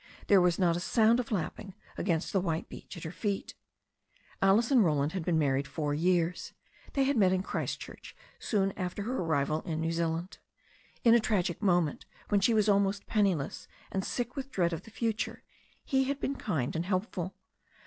There was not a sound of lapping against the white beach at her feet. Alice and Roland had been married four years. They had met in Qiristchurch soon after her arrival in New Zea* 66 THE STORY OF A NEW ZEALAND RIVER land. In a tragic moment, when she was almost penniless, and sick with dread of the future, he had been kind and helpful.